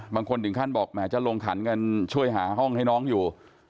บางคนถึงขั้นบอกแหมจะลงขันกันช่วยหาห้องให้น้องอยู่